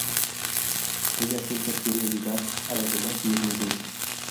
Ella siempre quiere ayudar a los demás y es muy dulce.